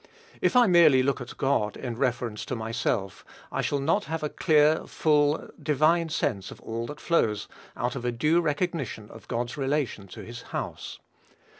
If I merely look at God, in reference to myself, I shall not have a clear, full, divine sense of all that flows out of a due recognition of God's relation to his house.